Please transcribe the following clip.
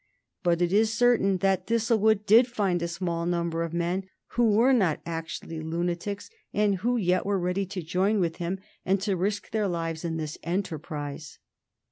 But it is certain that Thistlewood did find a small number of men who were not actually lunatics, and who yet were ready to join with him and to risk their lives in his enterprise.